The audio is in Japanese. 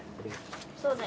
そうだよ。